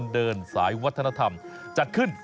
ดีจัง